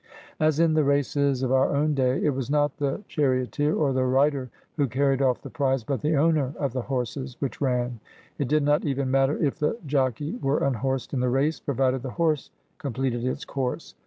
As in the races of our own day, it was not the chariot eer or the rider who carried off the prize, but the owner of the horses which ran. It did not even matter if the jockey were unhorsed in the race, provided the horse completed its course.